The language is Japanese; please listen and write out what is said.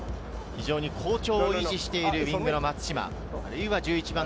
好調を維持しているウイングの松島。